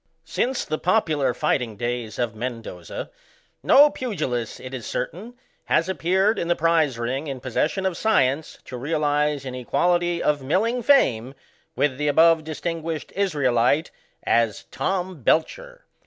Since the popular fighting days of Mbndoza, no pugilist, it is certain, has appeared in the prize ring in possession of science to realize an equality of mill' ing fame with the above distinguished Israelitey as ŌĆö Tom Belcher.